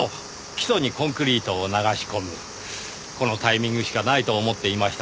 基礎にコンクリートを流し込むこのタイミングしかないと思っていましたのでね。